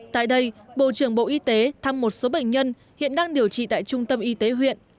tại đây bộ trưởng bộ y tế thăm một số bệnh nhân hiện đang điều trị tại trung tâm y tế huyện